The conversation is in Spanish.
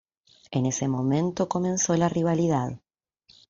En ese momento comenzó la rivalidad.